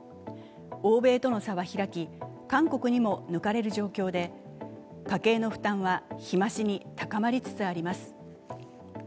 欧米との差は開き韓国にも抜かれる状況で家計の負担は日増しに高まりつつあります。